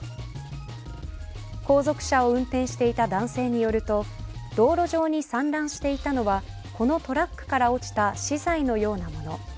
後続車を運転していた男性によると道路上に散乱していたのはこのトラックから落ちた資材のようなもの。